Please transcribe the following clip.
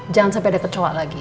jangan sampai ada kecoa lagi